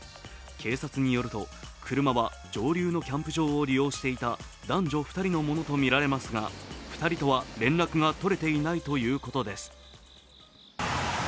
警察によると、車は上流のキャンプ場を利用していた男女２人のものとみられますが、２人とは連絡が取れていないということです。